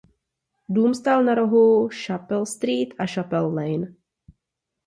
Dům stál na rohu Chapel Street a Chapel Lane.